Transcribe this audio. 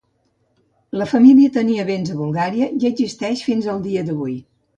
La família tenia béns a Bulgària i existeix fins al dia d'avui.